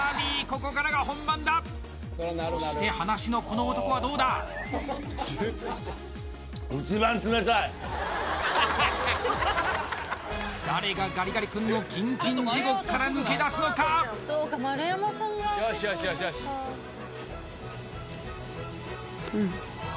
ここからが本番だそして歯なしのこの男はどうだ誰がガリガリ君のキンキン地獄から抜け出すのかうん